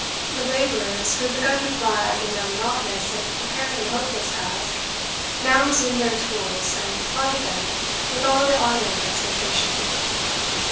The labourers, who had begun to flag in their monotonous and apparently hopeless task, now resumed their tools, and plied them with all the ardour of expectation.